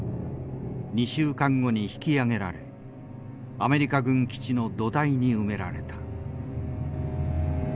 ２週間後に引き揚げられアメリカ軍基地の土台に埋められた。